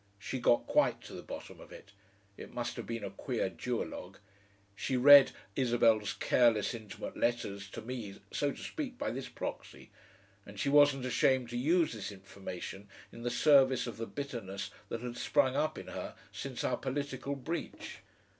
She got quite to the bottom of it, it must have been a queer duologue. She read Isabel's careless, intimate letters to me, so to speak, by this proxy, and she wasn't ashamed to use this information in the service of the bitterness that had sprung up in her since our political breach.